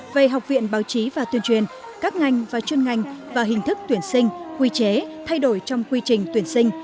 về học viện báo chí và tuyên truyền các ngành và chuyên ngành và hình thức tuyển sinh quy chế thay đổi trong quy trình tuyển sinh